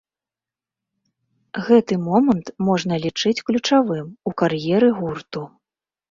Гэты момант можна лічыць ключавым у кар'еры гурту.